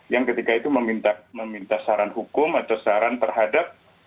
yang ketika itu meminta saran hukum atau saran terhadap